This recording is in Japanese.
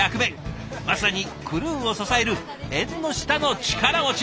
まさにクルーを支える縁の下の力持ち。